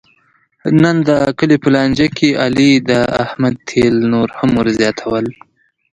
نن د کلي په لانجه کې علي د احمد تېل نور هم ور زیاتول.